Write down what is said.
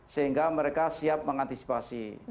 sehingga mereka siap mengantisipasi